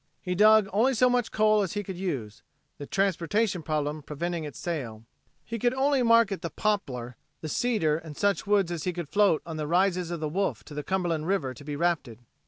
He dug only so much coal as he could use, the transportation problem preventing its sale. He could only market the poplar, the cedar and such woods as he could float on the rises of the Wolf to the Cumberland river to be rafted.